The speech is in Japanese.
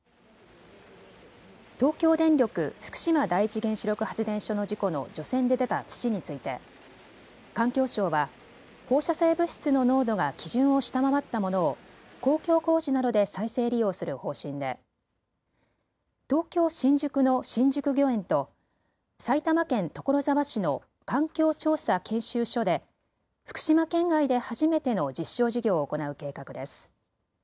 東京電力福島第一原子力発電所の事故の除染で出た土について環境省は放射性物質の濃度が基準を下回ったものを公共工事などで再生利用する方針で東京新宿の新宿御苑と埼玉県所沢市の環境調査研修所で福島県外で初めての実証事業を行う計画です。